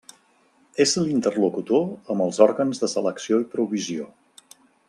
És l'interlocutor amb els òrgans de selecció i provisió.